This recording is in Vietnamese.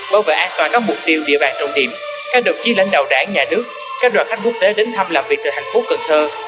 bảo vệ an toàn các mục tiêu địa bàn trọng điểm các đồng chí lãnh đạo đảng nhà nước các đoàn khách quốc tế đến thăm làm việc tại thành phố cần thơ